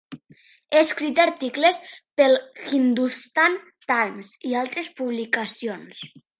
Ha escrit articles pel "Hindustan Times" i altres publicacions.